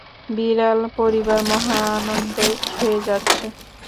বিড়াল পরিবার মহানন্দে খেয়ে যাচ্ছে।